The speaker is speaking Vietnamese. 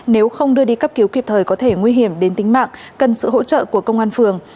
nếu không đưa đi cấp cứu kịp thời có thể nguy hiểm đến tính mạng cần sự hỗ trợ của công an phường